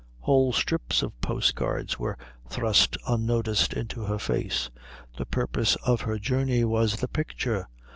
Whole strips of postcards were thrust unnoticed into her face. The purpose of her journey was the picture.